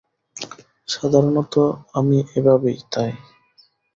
সাধারণত আমি এভাবেই তাই।